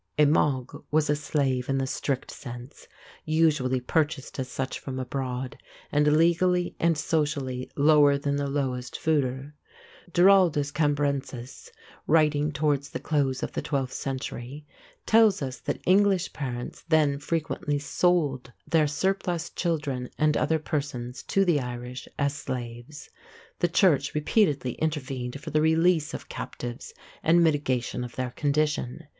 A mog was a slave in the strict sense, usually purchased as such from abroad, and legally and socially lower than the lowest fuidir. Giraldus Cambrensis, writing towards the close of the twelfth century, tells us that English parents then frequently sold their surplus children and other persons to the Irish as slaves. The Church repeatedly intervened for the release of captives and mitigation of their condition.